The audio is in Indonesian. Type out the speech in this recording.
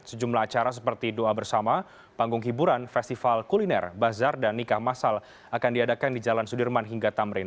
sejumlah acara seperti doa bersama panggung hiburan festival kuliner bazar dan nikah masal akan diadakan di jalan sudirman hingga tamrin